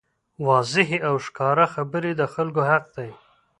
واضحې او ښکاره خبرې د خلکو حق دی.